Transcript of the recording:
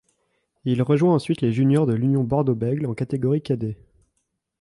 Il rejoint ensuite les juniors de l'Union Bordeaux Bègles en catégorie cadet.